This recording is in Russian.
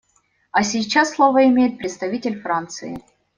А сейчас слово имеет представитель Франции.